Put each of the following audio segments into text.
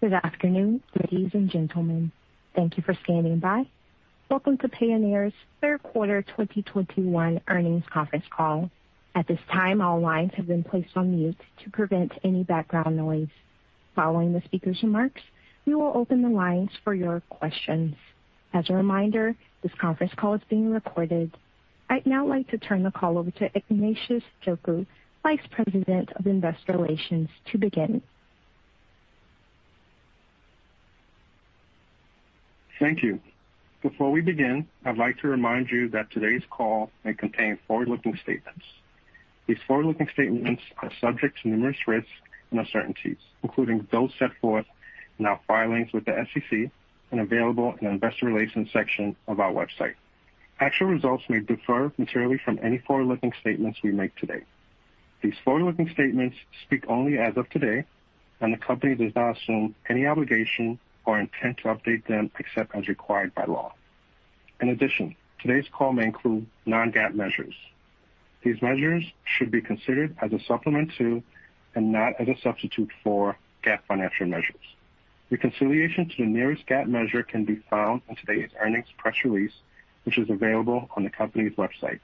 Good afternoon, ladies and gentlemen. Thank you for standing by. Welcome to Payoneer's third quarter 2021 earnings conference call. At this time, all lines have been placed on mute to prevent any background noise. Following the speaker's remarks, we will open the lines for your questions. As a reminder, this conference call is being recorded. I'd now like to turn the call over to Ignatius Njoku, Vice President of Investor Relations, to begin. Thank you. Before we begin, I'd like to remind you that today's call may contain forward-looking statements. These forward-looking statements are subject to numerous risks and uncertainties, including those set forth in our filings with the SEC and available in the Investor Relations section of our website. Actual results may differ materially from any forward-looking statements we make today. These forward-looking statements speak only as of today, and the company does not assume any obligation or intent to update them except as required by law. In addition, today's call may include non-GAAP measures. These measures should be considered as a supplement to, and not as a substitute for, GAAP financial measures. Reconciliation to the nearest GAAP measure can be found in today's earnings press release, which is available on the company's website.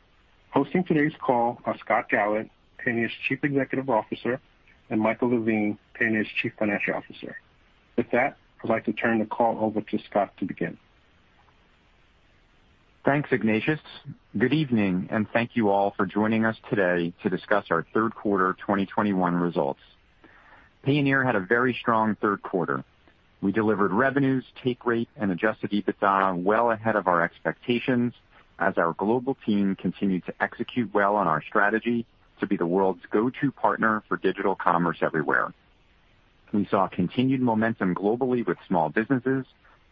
Hosting today's call are Scott Galit, Payoneer's Chief Executive Officer, and Michael Levine, Payoneer's Chief Financial Officer. With that, I'd like to turn the call over to Scott to begin. Thanks, Ignatius. Good evening, and thank you all for joining us today to discuss our Q3 2021 results. Payoneer had a very strong third quarter. We delivered revenues, take rate, and adjusted EBITDA well ahead of our expectations as our global team continued to execute well on our strategy to be the world's go-to partner for digital commerce everywhere. We saw continued momentum globally with small businesses,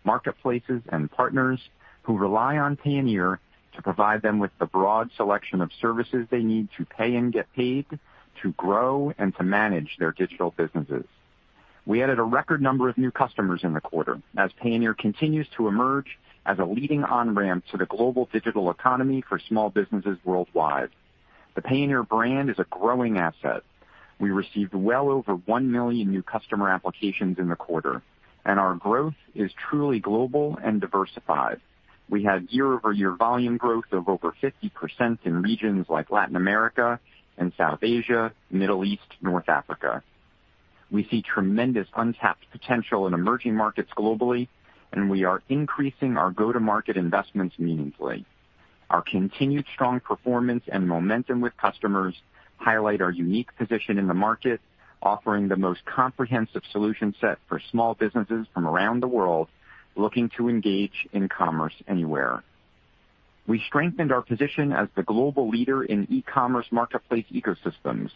marketplaces, and partners who rely on Payoneer to provide them with the broad selection of services they need to pay and get paid, to grow, and to manage their digital businesses. We added a record number of new customers in the quarter as Payoneer continues to emerge as a leading on-ramp to the global digital economy for small businesses worldwide. The Payoneer brand is a growing asset. We received well over 1 million new customer applications in the quarter, and our growth is truly global and diversified. We had year-over-year volume growth of over 50% in regions like Latin America and South Asia, Middle East, North Africa. We see tremendous untapped potential in emerging markets globally, and we are increasing our go-to-market investments meaningfully. Our continued strong performance and momentum with customers highlight our unique position in the market, offering the most comprehensive solution set for small businesses from around the world looking to engage in commerce anywhere. We strengthened our position as the global leader in e-commerce marketplace ecosystems.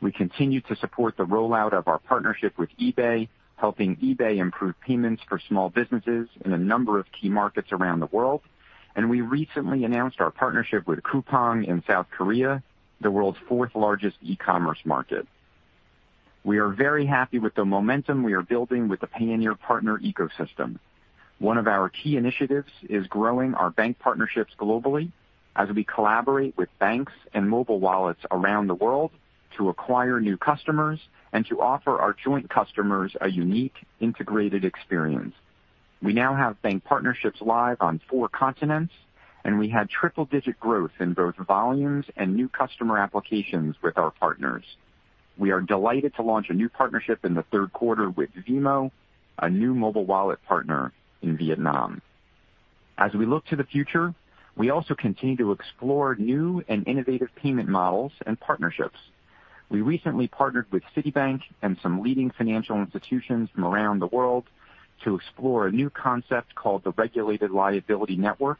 We continue to support the rollout of our partnership with eBay, helping eBay improve payments for small businesses in a number of key markets around the world. We recently announced our partnership with Coupang in South Korea, the world's fourth-largest e-commerce market. We are very happy with the momentum we are building with the Payoneer partner ecosystem. One of our key initiatives is growing our bank partnerships globally as we collaborate with banks and mobile wallets around the world to acquire new customers and to offer our joint customers a unique integrated experience. We now have bank partnerships live on four continents, and we had triple-digit growth in both volumes and new customer applications with our partners. We are delighted to launch a new partnership in the Q3 with Vimo, a new mobile wallet partner in Vietnam. As we look to the future, we also continue to explore new and innovative payment models and partnerships. We recently partnered with Citibank and some leading financial institutions from around the world to explore a new concept called the Regulated Liability Network,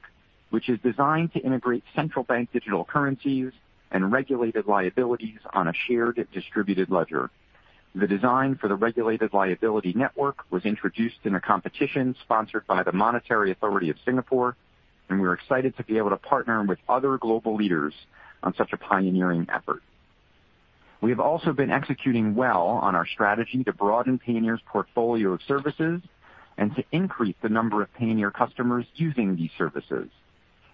which is designed to integrate central bank digital currencies and regulated liabilities on a shared distributed ledger. The design for the Regulated Liability Network was introduced in a competition sponsored by the Monetary Authority of Singapore, and we're excited to be able to partner with other global leaders on such a pioneering effort. We have also been executing well on our strategy to broaden Payoneer's portfolio of services and to increase the number of Payoneer customers using these services.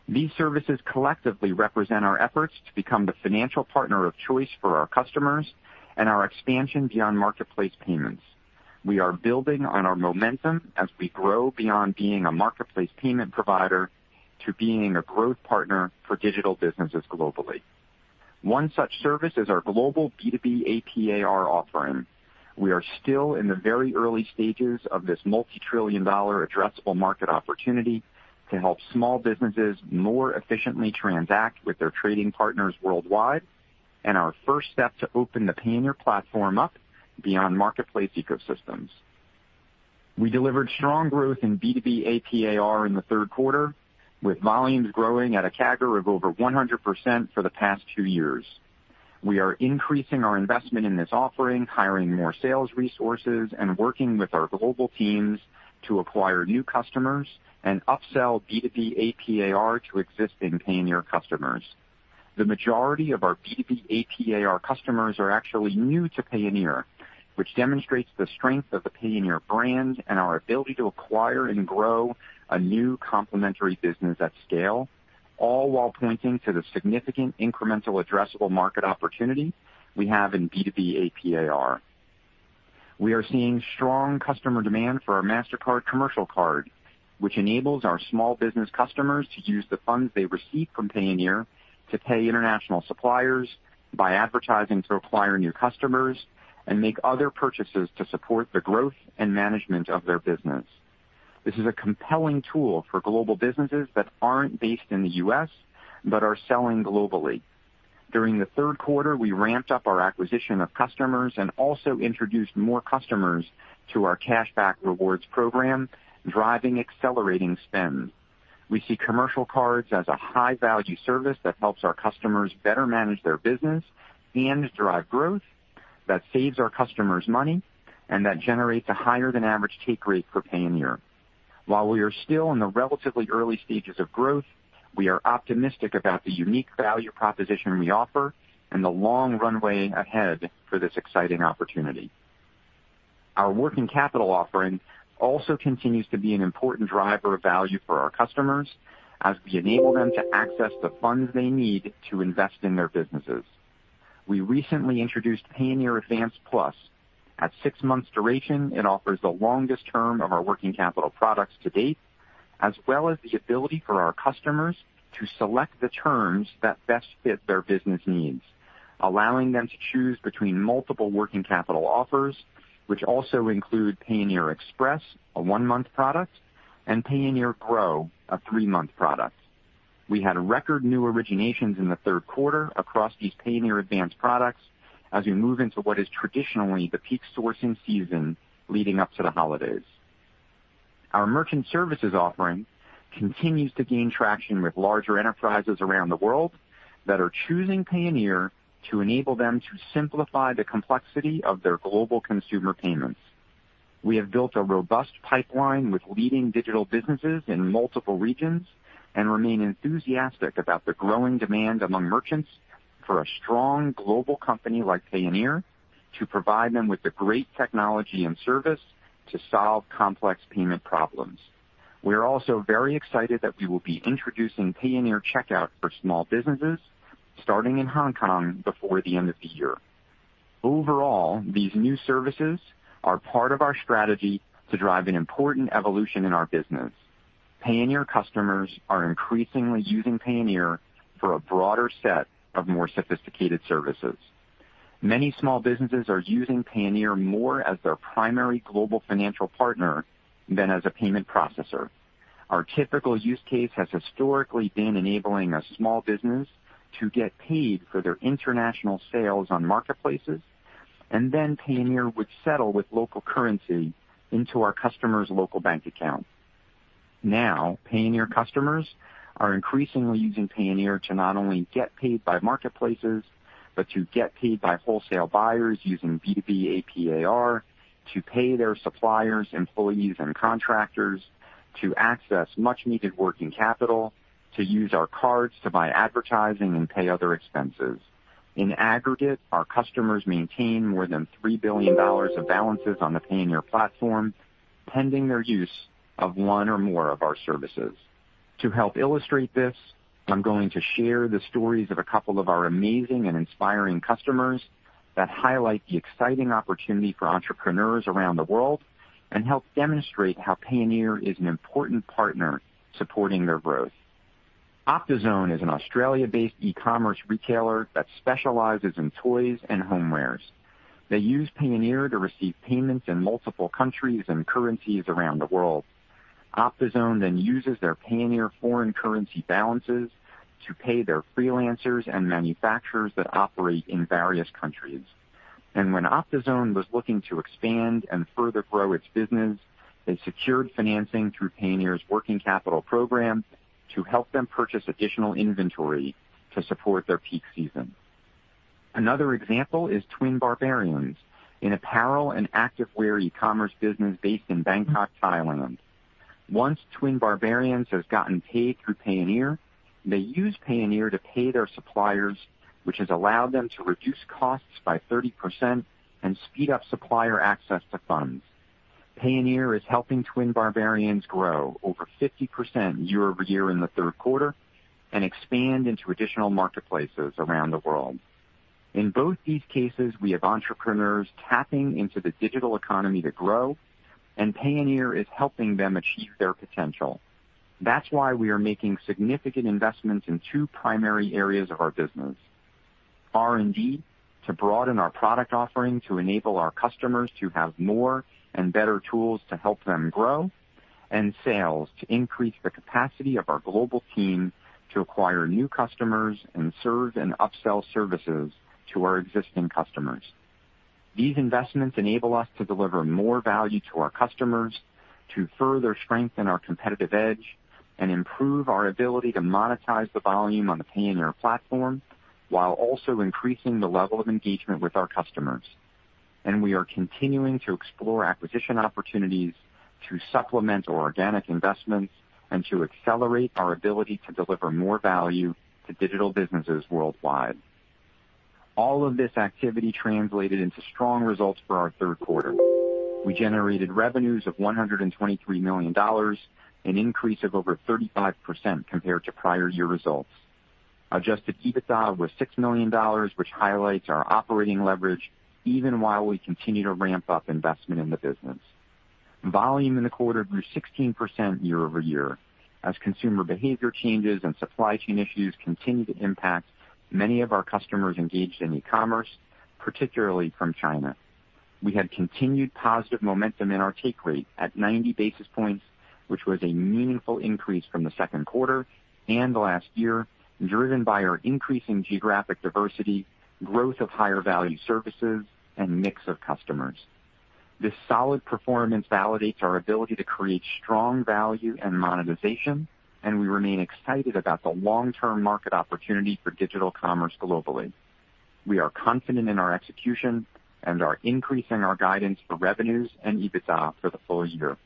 These services collectively represent our efforts to become the financial partner of choice for our customers and our expansion beyond marketplace payments. We are building on our momentum as we grow beyond being a marketplace payment provider to being a growth partner for digital businesses globally. One such service is our global B2B AP/AR offering. We are still in the very early stages of this $ multi-trillion addressable market opportunity to help small businesses more efficiently transact with their trading partners worldwide and our first step to open the Payoneer platform up beyond marketplace ecosystems. We delivered strong growth in B2B AP/AR in the third quarter, with volumes growing at a CAGR of over 100% for the past two years. We are increasing our investment in this offering, hiring more sales resources and working with our global teams to acquire new customers and upsell B2B AP/AR to existing Payoneer customers. The majority of our B2B AP/AR customers are actually new to Payoneer, which demonstrates the strength of the Payoneer brand and our ability to acquire and grow a new complementary business at scale, all while pointing to the significant incremental addressable market opportunity we have in B2B AP/AR. We are seeing strong customer demand for our Mastercard commercial card, which enables our small business customers to use the funds they receive from Payoneer to pay international suppliers, buy advertising to acquire new customers and make other purchases to support the growth and management of their business. This is a compelling tool for global businesses that aren't based in the U.S. but are selling globally. During the Q3, we ramped up our acquisition of customers and also introduced more customers to our cashback rewards program, driving accelerating spend. We see commercial cards as a high-value service that helps our customers better manage their business and drive growth that saves our customers money and that generates a higher than average take rate for Payoneer. While we are still in the relatively early stages of growth, we are optimistic about the unique value proposition we offer and the long runway ahead for this exciting opportunity. Our working capital offering also continues to be an important driver of value for our customers as we enable them to access the funds they need to invest in their businesses. We recently introduced Capital Advance Plus. At six months duration, it offers the longest term of our working capital products to date, as well as the ability for our customers to select the terms that best fit their business needs, allowing them to choose between multiple working capital offers, which also include Capital Advance Express, a 1-month product, and Capital Advance Grow, a 3-month product. We had record new originations in the third quarter across these Payoneer advanced products as we move into what is traditionally the peak sourcing season leading up to the holidays. Our merchant services offering continues to gain traction with larger enterprises around the world that are choosing Payoneer to enable them to simplify the complexity of their global consumer payments. We have built a robust pipeline with leading digital businesses in multiple regions and remain enthusiastic about the growing demand among merchants for a strong global company like Payoneer to provide them with the great technology and service to solve complex payment problems. We are also very excited that we will be introducing Payoneer Checkout for small businesses starting in Hong Kong before the end of the year. Overall, these new services are part of our strategy to drive an important evolution in our business. Payoneer customers are increasingly using Payoneer for a broader set of more sophisticated services. Many small businesses are using Payoneer more as their primary global financial partner than as a payment processor. Our typical use case has historically been enabling a small business to get paid for their international sales on marketplaces, and then Payoneer would settle with local currency into our customer's local bank account. Now, Payoneer customers are increasingly using Payoneer to not only get paid by marketplaces, but to get paid by wholesale buyers using B2B AP/AR to pay their suppliers, employees and contractors to access much needed working capital, to use our cards to buy advertising and pay other expenses. In aggregate, our customers maintain more than $3 billion of balances on the Payoneer platform, pending their use of one or more of our services. To help illustrate this, I'm going to share the stories of a couple of our amazing and inspiring customers that highlight the exciting opportunity for entrepreneurs around the world and help demonstrate how Payoneer is an important partner supporting their growth. Optizone is an Australia-based e-commerce retailer that specializes in toys and homewares. They use Payoneer to receive payments in multiple countries and currencies around the world. Optizone then uses their Payoneer foreign currency balances to pay their freelancers and manufacturers that operate in various countries. When Optizone was looking to expand and further grow its business, they secured financing through Payoneer's working capital program to help them purchase additional inventory to support their peak season. Another example is Twin Barbarians, an apparel and activewear e-commerce business based in Bangkok, Thailand. Once Twin Barbarians has gotten paid through Payoneer, they use Payoneer to pay their suppliers, which has allowed them to reduce costs by 30% and speed up supplier access to funds. Payoneer is helping Twin Barbarians grow over 50% year-over-year in the third quarter and expand into additional marketplaces around the world. In both these cases, we have entrepreneurs tapping into the digital economy to grow, and Payoneer is helping them achieve their potential. That's why we are making significant investments in two primary areas of our business, R&D to broaden our product offering to enable our customers to have more and better tools to help them grow and sales to increase the capacity of our global team to acquire new customers and serve and upsell services to our existing customers. These investments enable us to deliver more value to our customers to further strengthen our competitive edge and improve our ability to monetize the volume on the Payoneer platform, while also increasing the level of engagement with our customers. We are continuing to explore acquisition opportunities to supplement organic investments and to accelerate our ability to deliver more value to digital businesses worldwide. All of this activity translated into strong results for our third quarter. We generated revenues of $123 million, an increase of over 35% compared to prior year results. Adjusted EBITDA was $6 million, which highlights our operating leverage even while we continue to ramp up investment in the business. Volume in the quarter grew 16% year-over-year as consumer behavior changes and supply chain issues continue to impact many of our customers engaged in e-commerce, particularly from China. We had continued positive momentum in our take rate at 90 basis points, which was a meaningful increase from the second quarter and the last year, driven by our increasing geographic diversity, growth of higher value services and mix of customers. This solid performance validates our ability to create strong value and monetization, and we remain excited about the long-term market opportunity for digital commerce globally. We are confident in our execution and are increasing our guidance for revenues and EBITDA for the full year.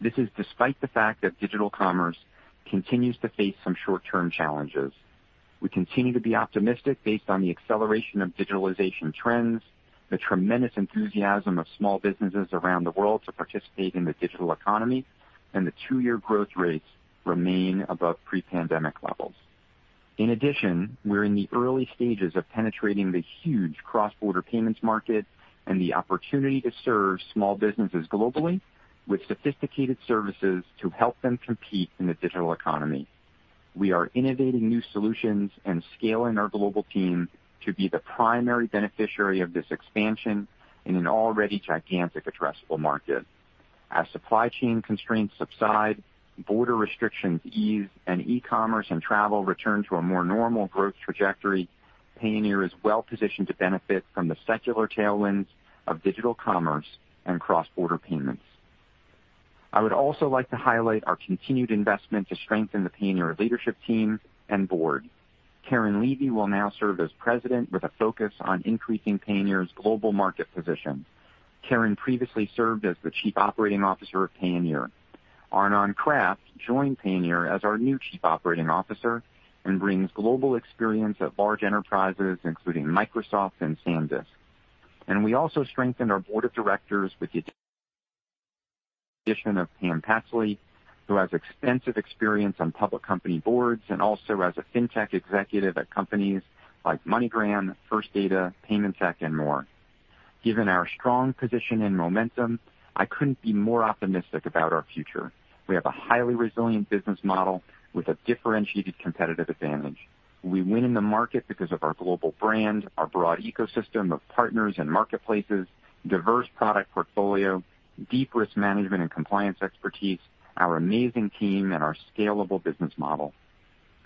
This is despite the fact that digital commerce continues to face some short-term challenges. We continue to be optimistic based on the acceleration of digitalization trends, the tremendous enthusiasm of small businesses around the world to participate in the digital economy, and the two-year growth rates remain above pre-pandemic levels. In addition, we're in the early stages of penetrating the huge cross-border payments market and the opportunity to serve small businesses globally with sophisticated services to help them compete in the digital economy. We are innovating new solutions and scaling our global team to be the primary beneficiary of this expansion in an already gigantic addressable market. As supply chain constraints subside, border restrictions ease, and e-commerce and travel return to a more normal growth trajectory, Payoneer is well-positioned to benefit from the secular tailwinds of digital commerce and cross-border payments. I would also like to highlight our continued investment to strengthen the Payoneer leadership team and board. Keren Levy will now serve as President with a focus on increasing Payoneer's global market position. Keren previously served as the Chief Operating Officer of Payoneer. Arnon Kraft joined Payoneer as our new Chief Operating Officer and brings global experience at large enterprises including Microsoft and SanDisk. We also strengthened our board of directors with the addition of Pamela Patsley, who has extensive experience on public company boards and also as a fintech executive at companies like MoneyGram, First Data, Paymentech, and more. Given our strong position and momentum, I couldn't be more optimistic about our future. We have a highly resilient business model with a differentiated competitive advantage. We win in the market because of our global brand, our broad ecosystem of partners and marketplaces, diverse product portfolio, deep risk management and compliance expertise, our amazing team and our scalable business model.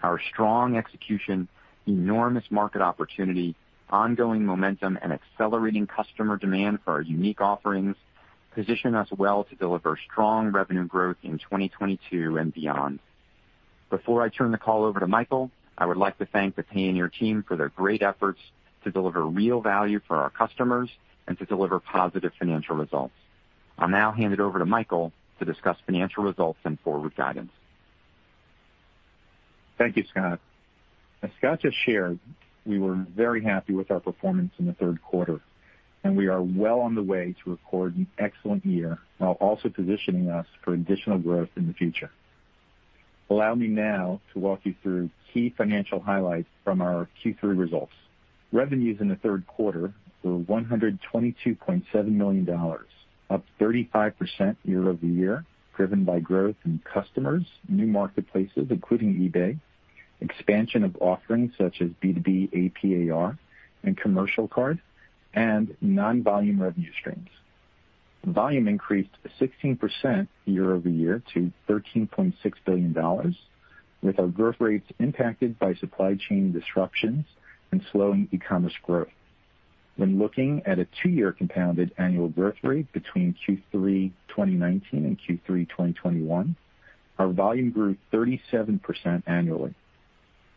Our strong execution, enormous market opportunity, ongoing momentum and accelerating customer demand for our unique offerings position us well to deliver strong revenue growth in 2022 and beyond. Before I turn the call over to Michael, I would like to thank the Payoneer team for their great efforts to deliver real value for our customers and to deliver positive financial results. I'll now hand it over to Michael to discuss financial results and forward guidance. Thank you, Scott. As Scott just shared, we were very happy with our performance in the third quarter, and we are well on the way to record an excellent year while also positioning us for additional growth in the future. Allow me now to walk you through key financial highlights from our Q3 results. Revenues in the third quarter were $122.7 million, up 35% year-over-year, driven by growth in customers, new marketplaces, including eBay, expansion of offerings such as B2B AP/AR and commercial card, and non-volume revenue streams. Volume increased 16% year-over-year to $13.6 billion, with our growth rates impacted by supply chain disruptions and slowing e-commerce growth. When looking at a two-year compounded annual growth rate between Q3 2019 and Q3 2021, our volume grew 37% annually.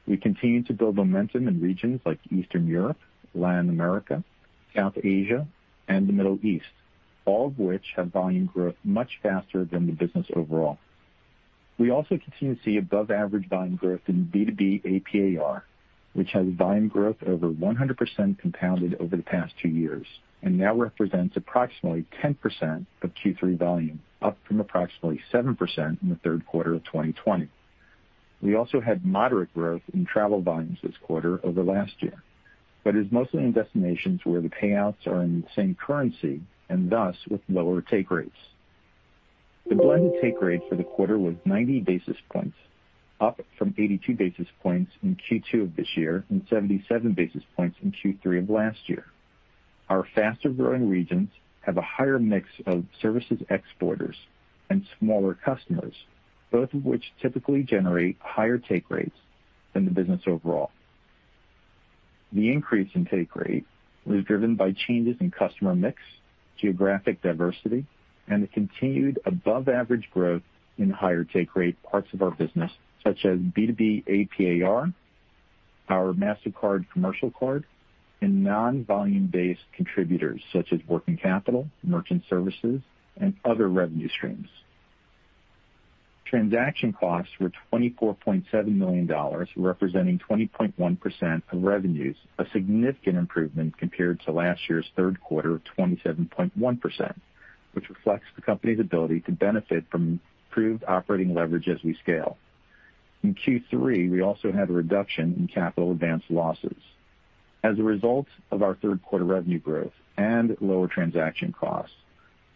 We continue to build momentum in regions like Eastern Europe, Latin America, South Asia, and the Middle East, all of which have volume growth much faster than the business overall. We also continue to see above average volume growth in B2B AP/AR, which has volume growth over 100% compounded over the past 2 years and now represents approximately 10% of Q3 volume, up from approximately 7% in the third quarter of 2020. We also had moderate growth in travel volumes this quarter over last year, but is mostly in destinations where the payouts are in the same currency and thus with lower take rates. The blended take rate for the quarter was 90 basis points, up from 82 basis points in Q2 of this year and 77 basis points in Q3 of last year. Our faster-growing regions have a higher mix of services exporters and smaller customers, both of which typically generate higher take rates than the business overall. The increase in take rate was driven by changes in customer mix, geographic diversity, and the continued above average growth in higher take rate parts of our business such as B2B AP/AR, our Mastercard commercial card, and non-volume based contributors such as working capital, merchant services, and other revenue streams. Transaction costs were $24.7 million, representing 20.1% of revenues, a significant improvement compared to last year's third quarter of 27.1%, which reflects the company's ability to benefit from improved operating leverage as we scale. In Q3, we also had a reduction in capital advance losses. As a result of our third quarter revenue growth and lower transaction costs,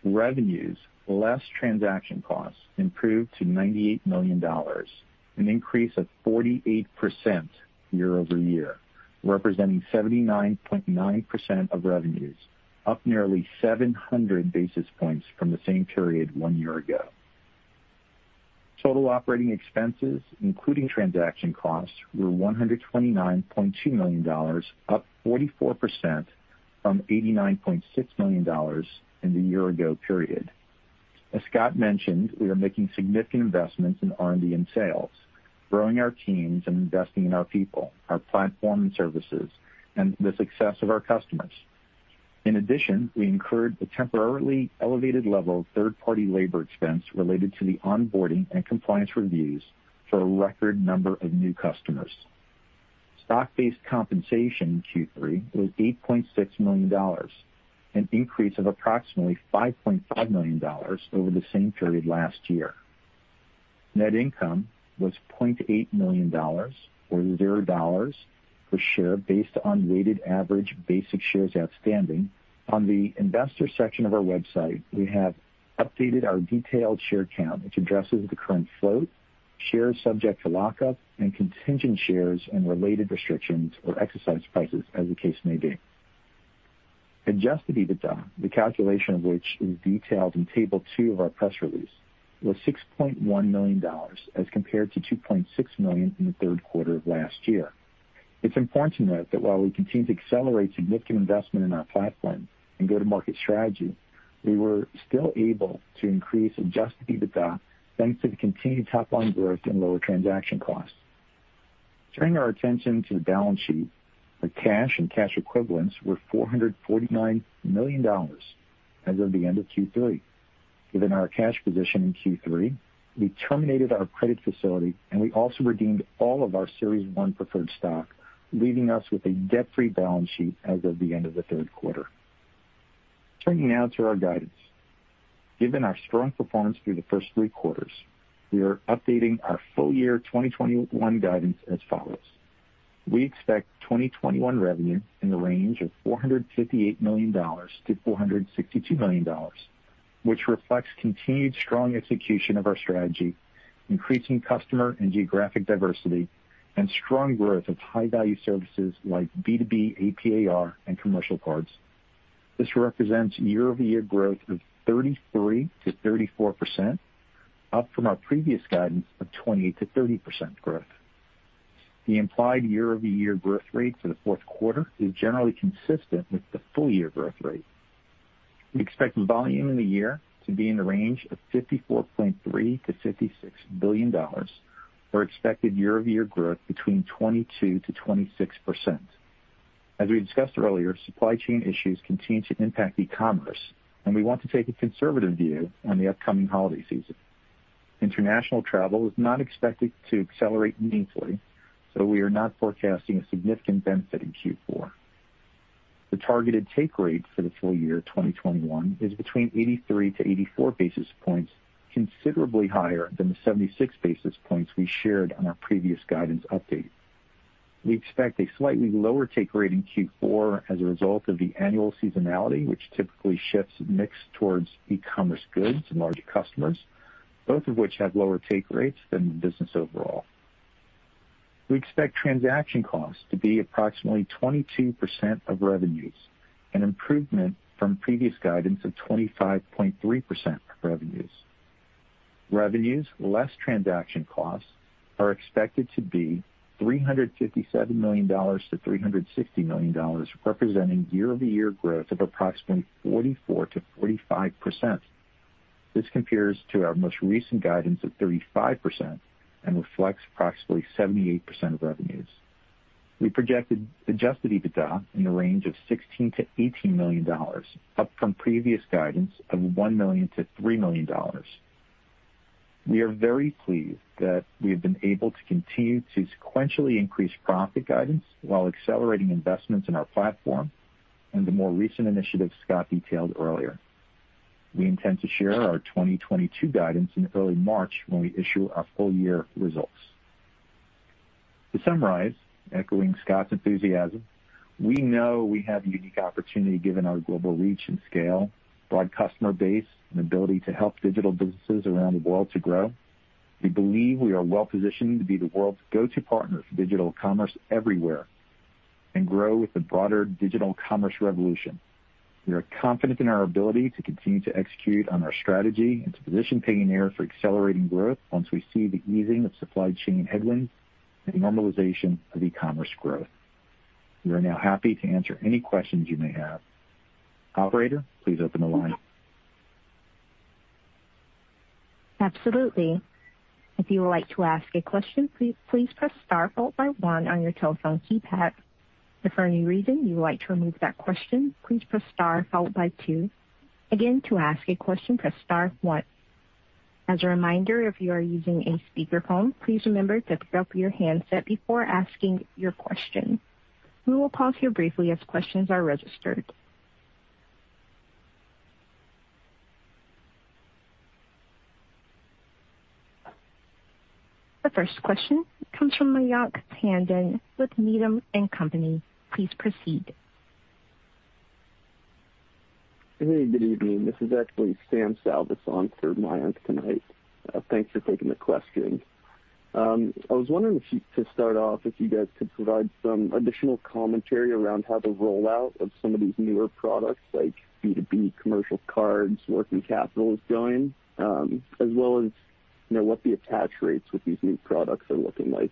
revenues less transaction costs improved to $98 million, an increase of 48% year-over-year, representing 79.9% of revenues, up nearly 700 basis points from the same period one year ago. Total operating expenses, including transaction costs, were $129.2 million, up 44% from $89.6 million in the year ago period. As Scott mentioned, we are making significant investments in R&D and sales, growing our teams and investing in our people, our platform and services and the success of our customers. In addition, we incurred a temporarily elevated level of third-party labor expense related to the onboarding and compliance reviews for a record number of new customers. Stock-based compensation in Q3 was $8.6 million, an increase of approximately $5.5 million over the same period last year. Net income was $0.8 million or $0 per share based on weighted average basic shares outstanding. On the investor section of our website, we have updated our detailed share count, which addresses the current float, shares subject to lockup and contingent shares and related restrictions or exercise prices as the case may be. Adjusted EBITDA, the calculation of which is detailed in table two of our press release, was $6.1 million as compared to $2.6 million in the third quarter of last year. It's important to note that while we continue to accelerate significant investment in our platform and go-to-market strategy, we were still able to increase adjusted EBITDA thanks to the continued top line growth and lower transaction costs. Turning our attention to the balance sheet. Our cash and cash equivalents were $449 million as of the end of Q3. Given our cash position in Q3, we terminated our credit facility, and we also redeemed all of our Series 1 preferred stock, leaving us with a debt-free balance sheet as of the end of the third quarter. Turning now to our guidance. Given our strong performance through the first three quarters, we are updating our full year 2021 guidance as follows. We expect 2021 revenue in the range of $458 million-$462 million, which reflects continued strong execution of our strategy, increasing customer and geographic diversity, and strong growth of high-value services like B2B AP/AR, and commercial cards. This represents year-over-year growth of 33%-34%, up from our previous guidance of 28%-30% growth. The implied year-over-year growth rate for the fourth quarter is generally consistent with the full year growth rate. We expect volume in the year to be in the range of $54.3 billion-$56 billion, or expected year-over-year growth between 22%-26%. As we discussed earlier, supply chain issues continue to impact e-commerce, and we want to take a conservative view on the upcoming holiday season. International travel is not expected to accelerate meaningfully, so we are not forecasting a significant benefit in Q4. The targeted take rate for the full year 2021 is between 83-84 basis points, considerably higher than the 76 basis points we shared on our previous guidance update. We expect a slightly lower take rate in Q4 as a result of the annual seasonality, which typically shifts mix towards e-commerce goods and larger customers, both of which have lower take rates than the business overall. We expect transaction costs to be approximately 22% of revenues, an improvement from previous guidance of 25.3% of revenues. Revenues less transaction costs are expected to be $357 million-$360 million, representing year-over-year growth of approximately 44%-45%. This compares to our most recent guidance of 35% and reflects approximately 78% of revenues. We projected adjusted EBITDA in the range of $16 million-$18 million, up from previous guidance of $1 million-$3 million. We are very pleased that we have been able to continue to sequentially increase profit guidance while accelerating investments in our platform and the more recent initiatives Scott detailed earlier. We intend to share our 2022 guidance in early March when we issue our full year results. To summarize, echoing Scott's enthusiasm, we know we have a unique opportunity given our global reach and scale, broad customer base, and ability to help digital businesses around the world to grow. We believe we are well positioned to be the world's go-to partner for digital commerce everywhere and grow with the broader digital commerce revolution. We are confident in our ability to continue to execute on our strategy and to position Payoneer for accelerating growth once we see the easing of supply chain headwinds and normalization of e-commerce growth. We are now happy to answer any questions you may have. Operator, please open the line. Absolutely. If you would like to ask a question, please press star followed by one on your telephone keypad. If for any reason you would like to remove that question, please press star followed by two. Again, to ask a question, press star one. As a reminder, if you are using a speakerphone, please remember to pick up your handset before asking your question. We will pause here briefly as questions are registered. The first question comes from Mayank Tandon with Needham & Company. Please proceed. Hey, good evening. This is actually Sam Salvas for Mayank tonight. Thanks for taking the question. I was wondering to start off, if you guys could provide some additional commentary around how the rollout of some of these newer products like B2B commercial cards working capital is going, as well as, you know, what the attach rates with these new products are looking like.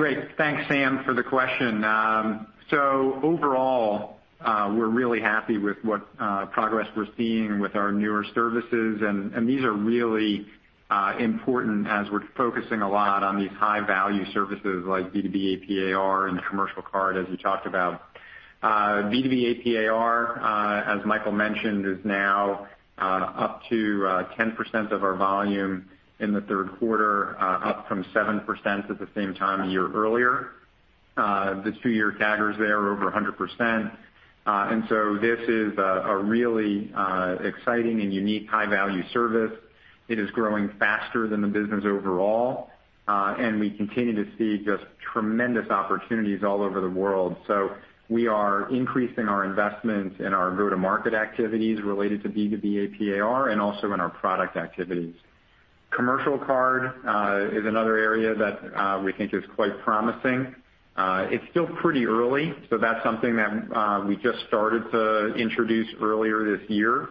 Thanks. Great. Thanks, Sam, for the question. Overall, we're really happy with what progress we're seeing with our newer services and these are really important as we're focusing a lot on these high-value services like B2B AP/AR and the commercial card, as you talked about. B2B AP/AR, as Michael mentioned, is now up to 10% of our volume in the third quarter, up from 7% at the same time a year earlier. The two-year CAGRs there are over 100%. This is a really exciting and unique high-value service. It is growing faster than the business overall, and we continue to see just tremendous opportunities all over the world. We are increasing our investment in our go-to-market activities related to B2B AP/AR and also in our product activities. Commercial card is another area that we think is quite promising. It's still pretty early, so that's something that we just started to introduce earlier this year.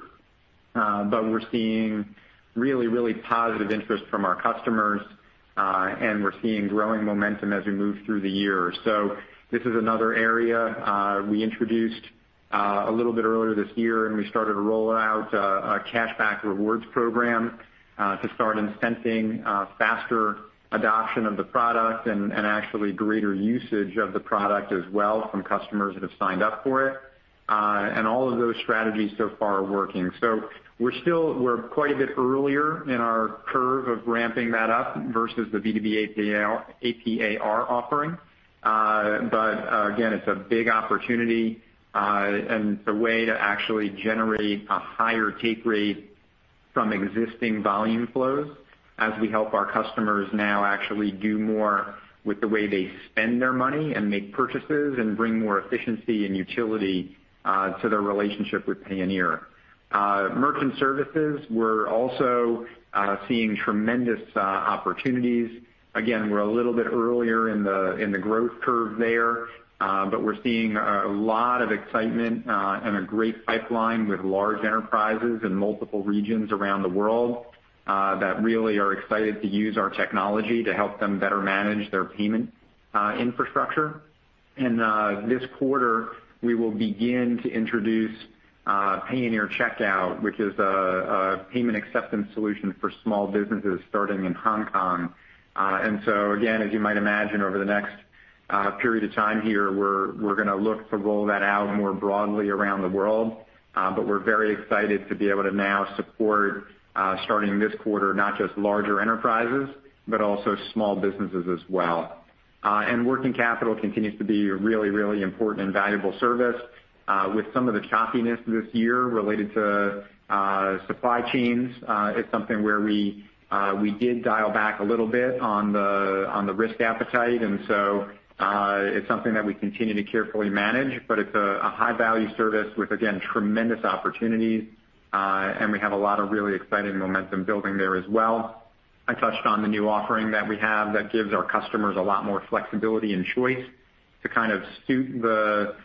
But we're seeing really positive interest from our customers, and we're seeing growing momentum as we move through the year. This is another area we introduced a little bit earlier this year, and we started to roll out a cashback rewards program to start incenting faster adoption of the product and actually greater usage of the product as well from customers that have signed up for it. All of those strategies so far are working. We're quite a bit earlier in our curve of ramping that up versus the B2B AP/AR offering. Again, it's a big opportunity, and it's a way to actually generate a higher take rate from existing volume flows as we help our customers now actually do more with the way they spend their money and make purchases and bring more efficiency and utility to their relationship with Payoneer. Merchant services, we're also seeing tremendous opportunities. Again, we're a little bit earlier in the growth curve there, but we're seeing a lot of excitement and a great pipeline with large enterprises in multiple regions around the world that really are excited to use our technology to help them better manage their payment infrastructure. This quarter, we will begin to introduce Payoneer Checkout, which is a payment acceptance solution for small businesses starting in Hong Kong. Again, as you might imagine, over the next period of time here, we're gonna look to roll that out more broadly around the world. We're very excited to be able to now support, starting this quarter, not just larger enterprises, but also small businesses as well. Working capital continues to be a really, really important and valuable service. With some of the choppiness this year related to supply chains, it's something where we did dial back a little bit on the risk appetite, and so it's something that we continue to carefully manage. It's a high-value service with, again, tremendous opportunities. We have a lot of really exciting momentum building there as well. I touched on the new offering that we have that gives our customers a lot more flexibility and choice to kind of suit the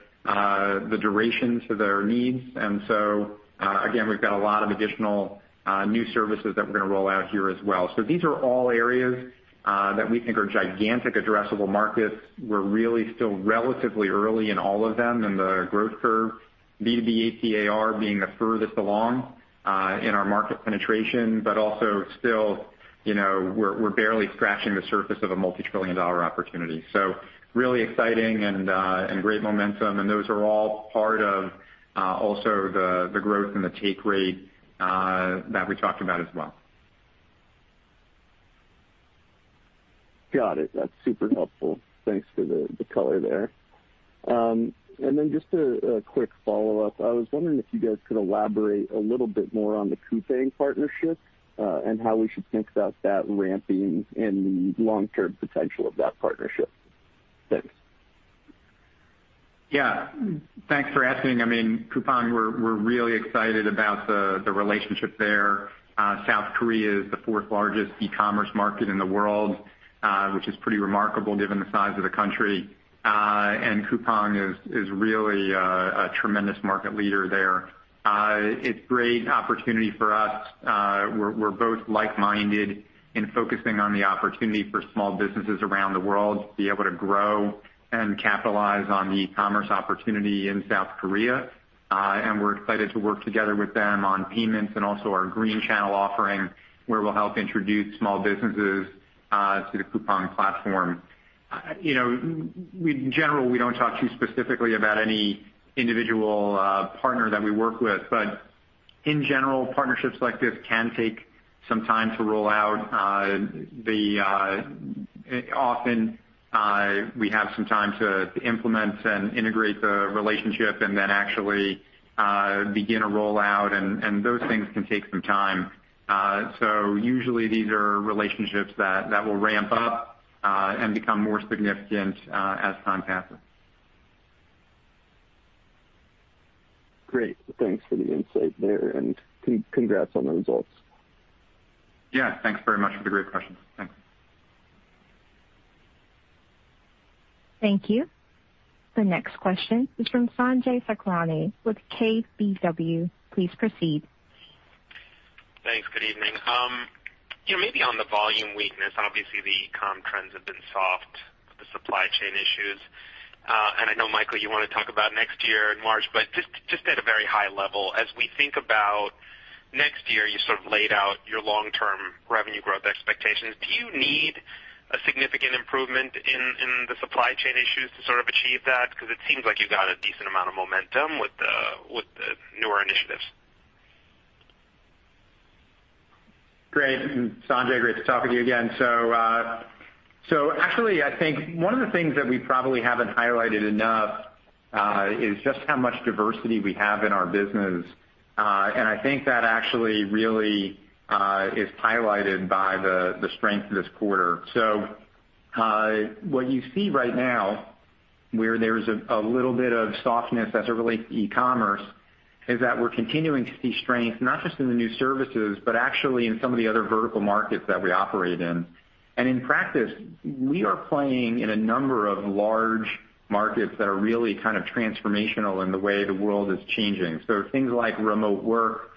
duration to their needs. Again, we've got a lot of additional new services that we're gonna roll out here as well. These are all areas that we think are gigantic addressable markets. We're really still relatively early in all of them in the growth curve, B2B AP/AR being the furthest along in our market penetration, but also still, you know, we're barely scratching the surface of a multi-trillion-dollar opportunity. Really exciting and great momentum, and those are all part of also the growth and the take rate that we talked about as well. Got it. That's super helpful. Thanks for the color there. Just a quick follow-up. I was wondering if you guys could elaborate a little bit more on the Coupang partnership, and how we should think about that ramping and the long-term potential of that partnership. Thanks. Yeah. Thanks for asking. I mean, Coupang, we're really excited about the relationship there. South Korea is the fourth largest e-commerce market in the world, which is pretty remarkable given the size of the country. Coupang is really a tremendous market leader there. It's a great opportunity for us. We're both like-minded in focusing on the opportunity for small businesses around the world to be able to grow and capitalize on the e-commerce opportunity in South Korea. We're excited to work together with them on payments and also our Green Channel offering, where we'll help introduce small businesses to the Coupang platform. You know, in general, we don't talk too specifically about any individual partner that we work with. But in general, partnerships like this can take some time to roll out. Often, we have some time to implement and integrate the relationship and then actually begin a rollout, and those things can take some time. Usually these are relationships that will ramp up and become more significant as time passes. Great. Thanks for the insight there, and congrats on the results. Yeah. Thanks very much for the great question. Thanks. Thank you. The next question is from Sanjay Sakhrani with KBW. Please proceed. Thanks. Good evening. You know, maybe on the volume weakness, obviously the e-com trends have been soft with the supply chain issues. And I know, Michael, you wanna talk about next year in March, but just at a very high level, as we think about next year, you sort of laid out your long-term revenue growth expectations. Do you need a significant improvement in the supply chain issues to sort of achieve that? Because it seems like you've got a decent amount of momentum with the newer initiatives. Great. Sanjay, great to talk with you again. Actually, I think one of the things that we probably haven't highlighted enough is just how much diversity we have in our business. I think that actually really is highlighted by the strength this quarter. What you see right now where there's a little bit of softness as it relates to e-commerce is that we're continuing to see strength, not just in the new services, but actually in some of the other vertical markets that we operate in. In practice, we are playing in a number of large markets that are really kind of transformational in the way the world is changing. Things like remote work,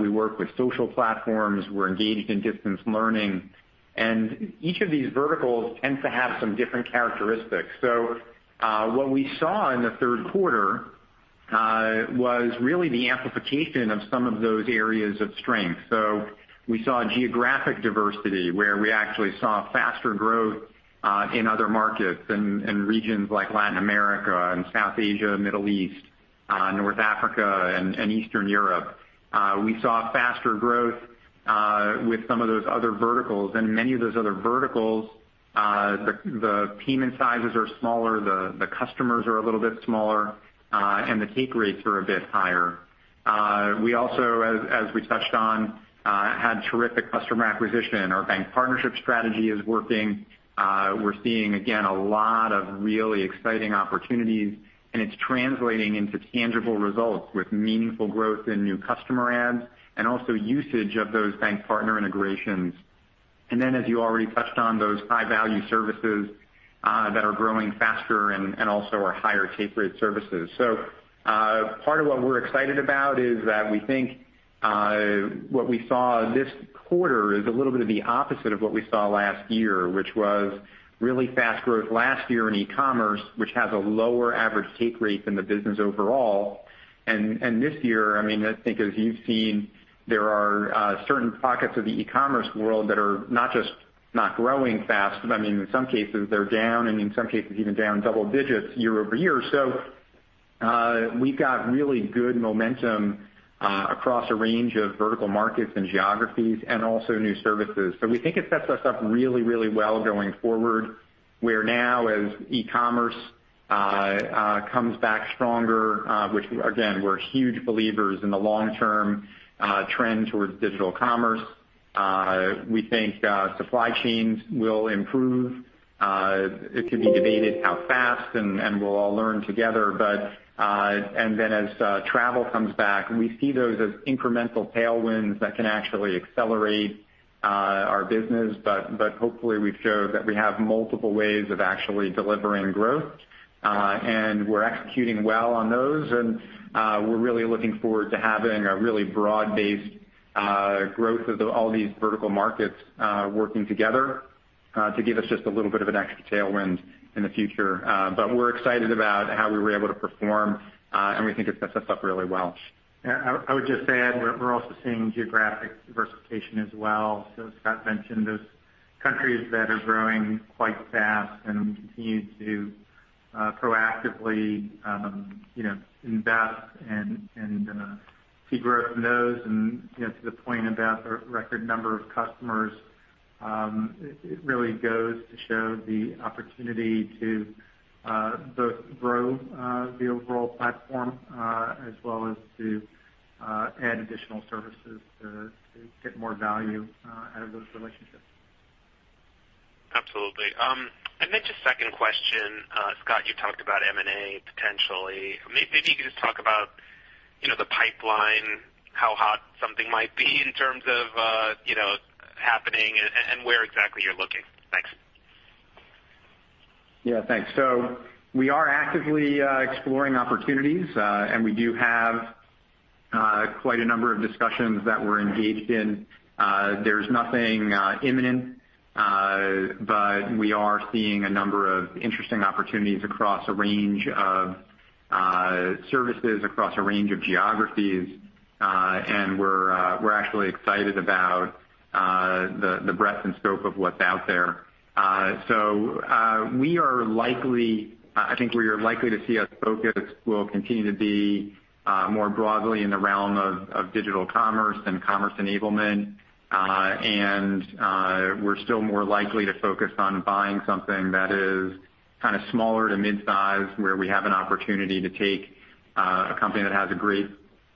we work with social platforms, we're engaged in distance learning. Each of these verticals tends to have some different characteristics. What we saw in the third quarter was really the amplification of some of those areas of strength. We saw geographic diversity, where we actually saw faster growth in other markets in regions like Latin America and South Asia, Middle East, North Africa and Eastern Europe. We saw faster growth with some of those other verticals. Many of those other verticals, the payment sizes are smaller, the customers are a little bit smaller, and the take rates are a bit higher. We also, as we touched on, had terrific customer acquisition. Our bank partnership strategy is working. We're seeing, again, a lot of really exciting opportunities, and it's translating into tangible results with meaningful growth in new customer adds and also usage of those bank partner integrations. Then as you already touched on, those high-value services that are growing faster and also are higher take rate services. Part of what we're excited about is that we think what we saw this quarter is a little bit of the opposite of what we saw last year, which was really fast growth last year in e-commerce, which has a lower average take rate than the business overall. This year, I mean, I think as you've seen, there are certain pockets of the e-commerce world that are not just not growing fast, but I mean, in some cases they're down, and in some cases even down double digits year-over-year. We've got really good momentum across a range of vertical markets and geographies and also new services. We think it sets us up really, really well going forward, where now as e-commerce comes back stronger, which again, we're huge believers in the long-term trend towards digital commerce. We think supply chains will improve. It can be debated how fast and we'll all learn together. But then as travel comes back, we see those as incremental tailwinds that can actually accelerate our business. But hopefully we've showed that we have multiple ways of actually delivering growth, and we're executing well on those. We're really looking forward to having a really broad-based growth of all these vertical markets working together to give us just a little bit of an extra tailwind in the future. We're excited about how we were able to perform, and we think it sets us up really well. Yeah. I would just add, we're also seeing geographic diversification as well. As Scott mentioned, there's countries that are growing quite fast and we continue to proactively you know invest and see growth in those. You know, to the point about the record number of customers, it really goes to show the opportunity to both grow the overall platform as well as to add additional services to get more value out of those relationships. Absolutely. Just second question. Scott, you talked about M&A potentially. Maybe you could just talk about, you know, the pipeline, how hot something might be in terms of, you know, happening and where exactly you're looking. Thanks. Yeah, thanks. We are actively exploring opportunities. We do have quite a number of discussions that we're engaged in. There's nothing imminent, but we are seeing a number of interesting opportunities across a range of services across a range of geographies. We're actually excited about the breadth and scope of what's out there. I think we are likely to see us focus. We'll continue to be more broadly in the realm of digital commerce and commerce enablement. We're still more likely to focus on buying something that is kinda smaller to mid-size, where we have an opportunity to take a company that has a great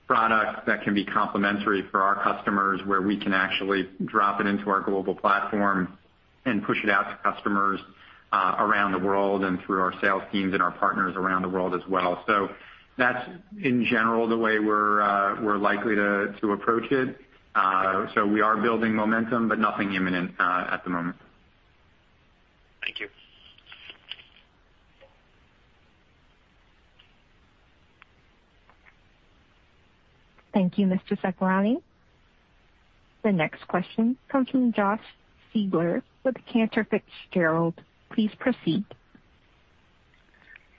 product that can be complementary for our customers, where we can actually drop it into our global platform and push it out to customers around the world and through our sales teams and our partners around the world as well. That's, in general, the way we're likely to approach it. We are building momentum, but nothing imminent at the moment. Thank you. Thank you, Mr. Sakhrani. The next question comes from Josh Siegler with Cantor Fitzgerald. Please proceed.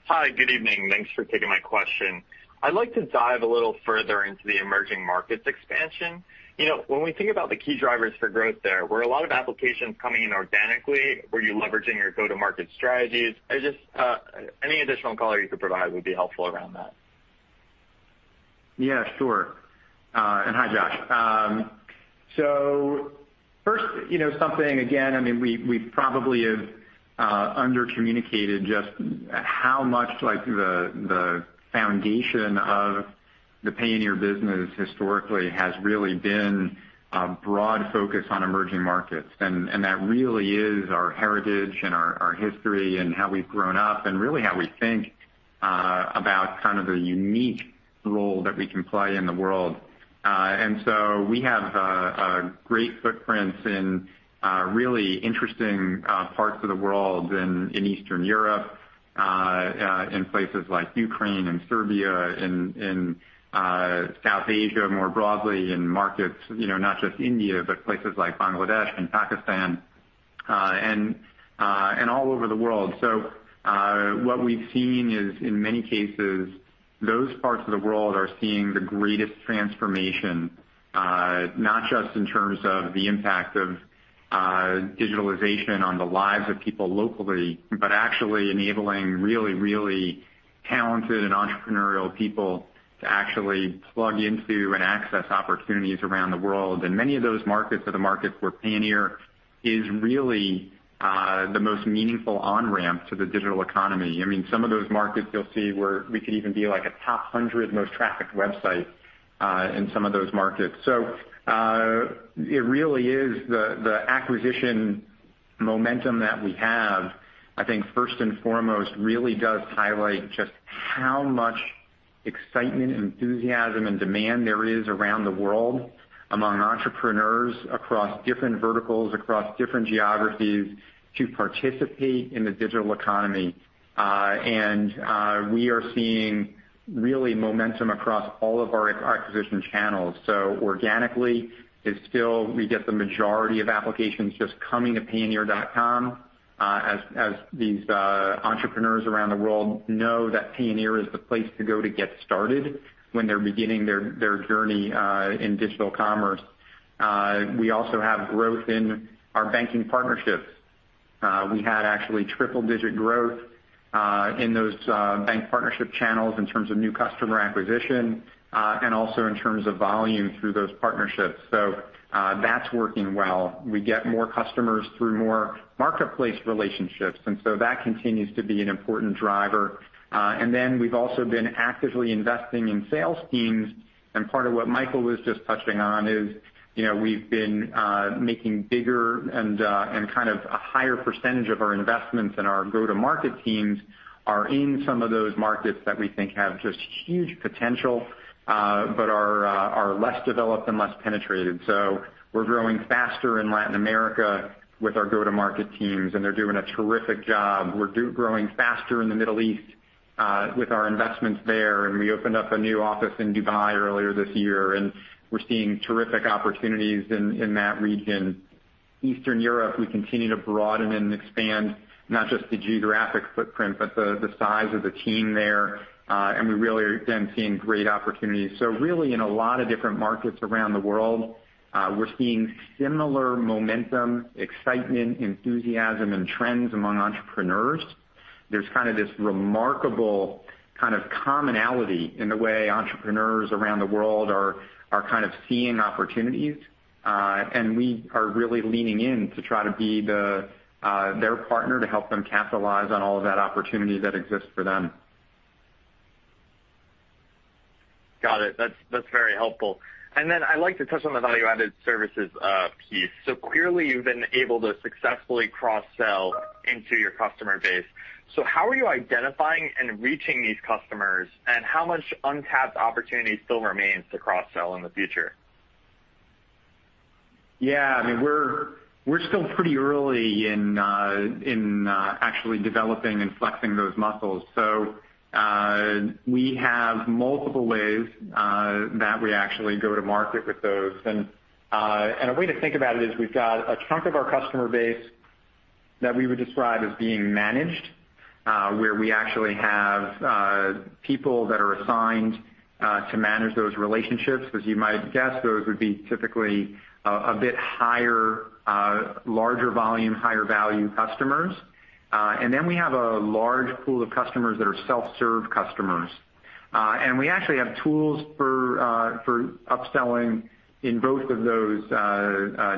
Hi, good evening. Thanks for taking my question. I'd like to dive a little further into the emerging markets expansion. You know, when we think about the key drivers for growth there, were a lot of applications coming in organically? Were you leveraging your go-to-market strategies? Any additional color you could provide would be helpful around that. Yeah, sure. Hi, Josh. So first, you know, something, again, I mean, we probably have under-communicated just how much like the foundation of the Payoneer business historically has really been a broad focus on emerging markets. That really is our heritage and our history and how we've grown up and really how we think about kind of the unique role that we can play in the world. We have a great footprints in really interesting parts of the world in Eastern Europe, in places like Ukraine and Serbia, in South Asia, more broadly in markets, you know, not just India, but places like Bangladesh and Pakistan, and all over the world. What we've seen is, in many cases, those parts of the world are seeing the greatest transformation, not just in terms of the impact of digitalization on the lives of people locally, but actually enabling really, really talented and entrepreneurial people to actually plug into and access opportunities around the world. Many of those markets are the markets where Payoneer is really the most meaningful on-ramp to the digital economy. I mean, some of those markets you'll see where we could even be like a top hundred most trafficked websites in some of those markets. It really is the acquisition momentum that we have, I think first and foremost, really does highlight just how much excitement, enthusiasm, and demand there is around the world among entrepreneurs across different verticals, across different geographies to participate in the digital economy. We are seeing real momentum across all of our acquisition channels. Organically, we still get the majority of applications just coming to payoneer.com, as these entrepreneurs around the world know that Payoneer is the place to go to get started when they're beginning their journey in digital commerce. We also have growth in our banking partnerships. We had actually triple-digit growth in those bank partnership channels in terms of new customer acquisition and also in terms of volume through those partnerships. That's working well. We get more customers through more marketplace relationships, and so that continues to be an important driver. We've also been actively investing in sales teams, and part of what Michael was just touching on is, you know, we've been making bigger and kind of a higher percentage of our investments and our go-to-market teams are in some of those markets that we think have just huge potential, but are less developed and less penetrated. We're growing faster in Latin America with our go-to-market teams, and they're doing a terrific job. We're growing faster in the Middle East with our investments there. We opened up a new office in Dubai earlier this year, and we're seeing terrific opportunities in that region. Eastern Europe, we continue to broaden and expand not just the geographic footprint, but the size of the team there. We really are, again, seeing great opportunities. Really in a lot of different markets around the world, we're seeing similar momentum, excitement, enthusiasm, and trends among entrepreneurs. There's kind of this remarkable kind of commonality in the way entrepreneurs around the world are kind of seeing opportunities. We are really leaning in to try to be their partner to help them capitalize on all of that opportunity that exists for them. Got it. That's very helpful. Then I'd like to touch on the value-added services piece. Clearly you've been able to successfully cross-sell into your customer base. How are you identifying and reaching these customers, and how much untapped opportunity still remains to cross-sell in the future? Yeah, I mean, we're still pretty early in actually developing and flexing those muscles. We have multiple ways that we actually go to market with those. A way to think about it is we've got a chunk of our customer base that we would describe as being managed, where we actually have people that are assigned to manage those relationships. As you might have guessed, those would be typically a bit higher, larger volume, higher value customers. Then we have a large pool of customers that are self-serve customers. We actually have tools for upselling in both of those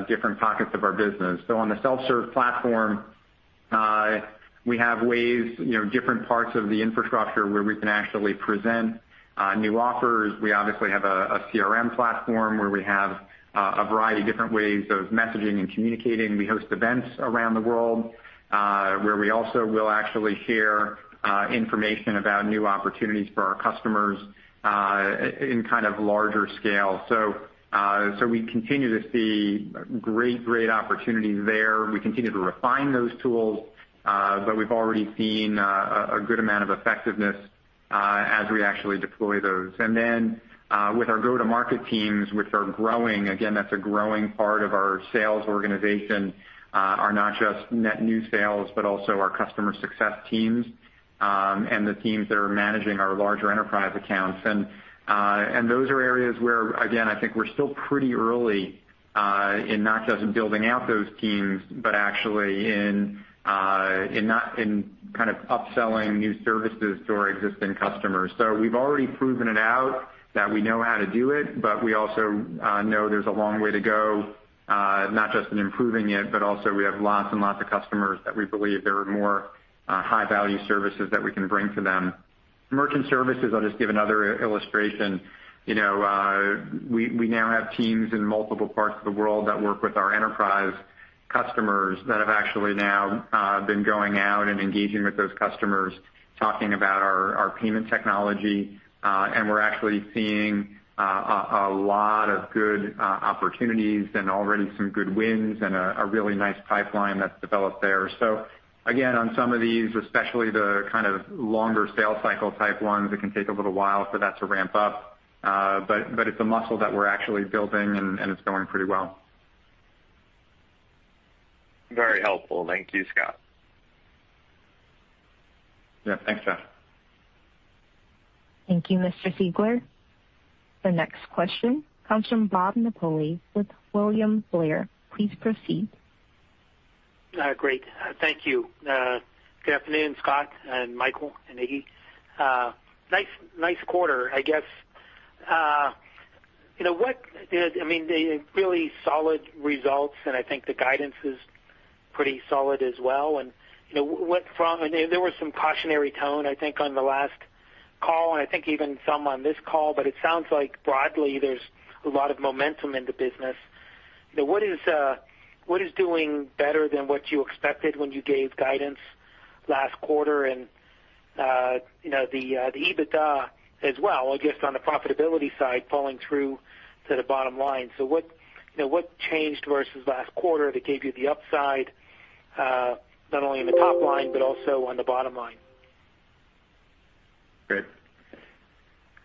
different pockets of our business. On the self-serve platform, we have ways, you know, different parts of the infrastructure where we can actually present new offers. We obviously have a CRM platform where we have a variety of different ways of messaging and communicating. We host events around the world, where we also will actually hear information about new opportunities for our customers in kind of larger scale. We continue to see great opportunities there. We continue to refine those tools, but we've already seen a good amount of effectiveness as we actually deploy those. With our go-to-market teams, which are growing, again, that's a growing part of our sales organization, are not just net new sales, but also our customer success teams, and the teams that are managing our larger enterprise accounts. Those are areas where, again, I think we're still pretty early in not just building out those teams, but actually in kind of upselling new services to our existing customers. We've already proven it out that we know how to do it, but we also know there's a long way to go, not just in improving it, but also we have lots and lots of customers that we believe there are more high value services that we can bring to them. Merchant services, I'll just give another illustration. You know, we now have teams in multiple parts of the world that work with our enterprise customers that have actually now been going out and engaging with those customers, talking about our payment technology. We're actually seeing a lot of good opportunities and already some good wins and a really nice pipeline that's developed there. Again, on some of these, especially the kind of longer sales cycle type ones, it can take a little while for that to ramp up. It's a muscle that we're actually building and it's going pretty well. Very helpful. Thank you, Scott. Yeah, thanks, Josh. Thank you, Mr. Siegler. The next question comes from Bob Napoli with William Blair. Please proceed. Great. Thank you. Good afternoon, Scott and Michael and Iggy. Nice quarter, I guess. You know, I mean, the really solid results, and I think the guidance is pretty solid as well. You know, there was some cautionary tone, I think, on the last call, and I think even some on this call, but it sounds like broadly, there's a lot of momentum in the business. You know, what is doing better than what you expected when you gave guidance last quarter and, you know, the EBITDA as well, I guess, on the profitability side, falling through to the bottom line. What, you know, changed versus last quarter that gave you the upside, not only in the top line, but also on the bottom line? Great.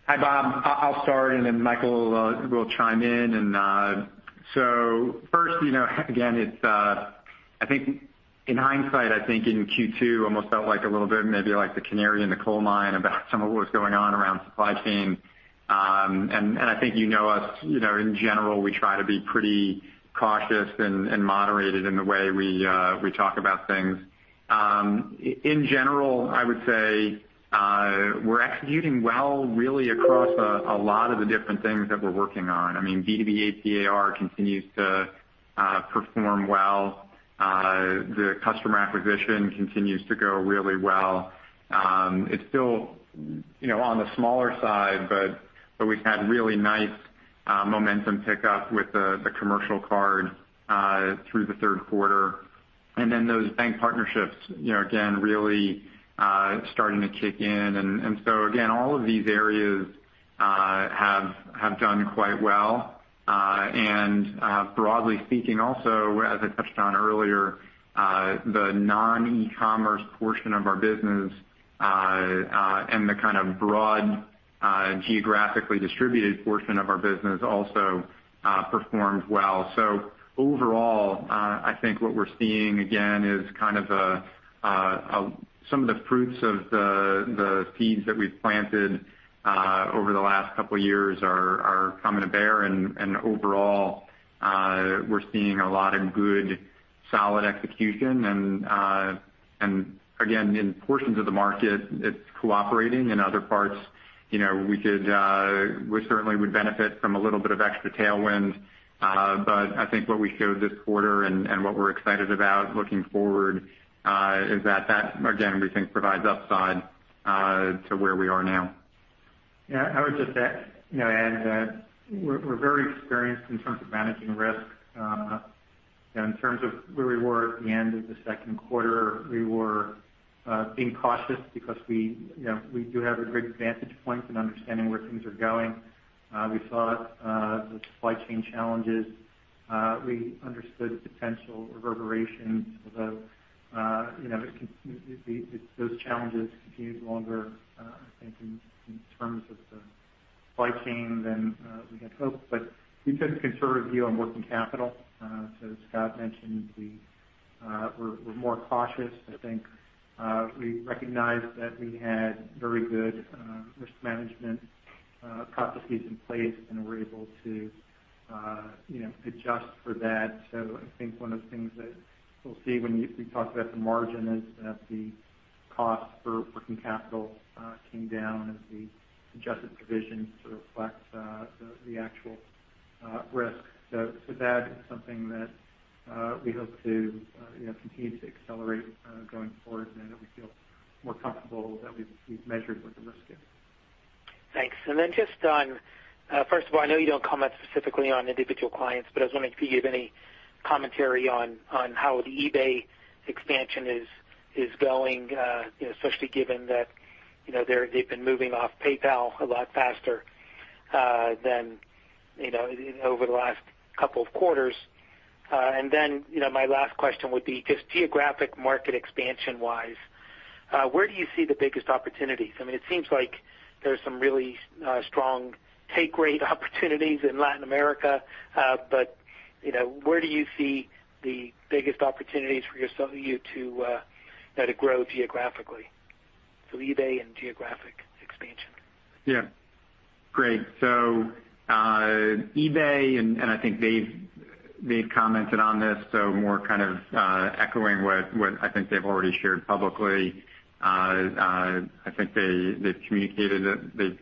Hi, Bob. I'll start, and then Michael will chime in. First, you know, again, it in hindsight in Q2 almost felt like a little bit maybe like the canary in the coal mine about some of what was going on around supply chain. I think you know us, you know, in general, we try to be pretty cautious and moderated in the way we talk about things. In general, I would say we're executing well really across a lot of the different things that we're working on. I mean, B2B AP/AR continues to perform well. The customer acquisition continues to go really well. It's still, you know, on the smaller side, but we've had really nice momentum pick up with the commercial card through the third quarter. Those bank partnerships, you know, again, really starting to kick in. All of these areas have done quite well. Broadly speaking, also, as I touched on earlier, the non-eCommerce portion of our business and the kind of broad geographically distributed portion of our business also performed well. Overall, I think what we're seeing again is kind of some of the fruits of the seeds that we've planted over the last couple of years are coming to bear. Overall, we're seeing a lot of good, solid execution. Again, in portions of the market, it's cooperating. In other parts, you know, we could, we certainly would benefit from a little bit of extra tailwind. But I think what we showed this quarter and what we're excited about looking forward is that again, we think provides upside to where we are now. Yeah, I would just add, you know, add that we're very experienced in terms of managing risk. In terms of where we were at the end of the second quarter, we were being cautious because we, you know, we do have a great vantage point in understanding where things are going. We saw the supply chain challenges. We understood the potential reverberations of, you know, those challenges continued longer, I think in terms of the fighting than we had hoped. We took a conservative view on working capital. Scott mentioned we were more cautious than we think. We recognized that we had very good risk management processes in place, and we're able to, you know, adjust for that. I think one of the things that we'll see when we talk about the margin is that the cost for working capital came down as the adjusted provision to reflect the actual risk. That is something that we hope to you know continue to accelerate going forward now that we feel more comfortable that we've measured what the risk is. Thanks. Then just on first of all, I know you don't comment specifically on individual clients, but I was wondering if you could give any commentary on how the eBay expansion is going, you know, especially given that, you know, they've been moving off PayPal a lot faster, you know, over the last couple of quarters. You know, my last question would be just geographic market expansion-wise, where do you see the biggest opportunities? I mean, it seems like there's some really strong take rate opportunities in Latin America. But you know, where do you see the biggest opportunities for you to, you know, to grow geographically? So eBay and geographic expansion. Yeah. Great. eBay and I think they've commented on this, so more kind of echoing what I think they've already shared publicly. I think they've communicated that they've